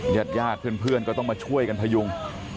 ญาติญาติเพื่อนก็ต้องมาช่วยกันพยุง